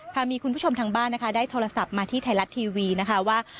มีคุณผู้ชมทางบ้านนะคะได้โทรศัพท์มาที่ไทยรัฐทีวีนะคะว่า